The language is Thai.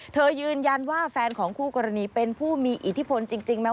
ยืนยันว่าแฟนของคู่กรณีเป็นผู้มีอิทธิพลจริงไหม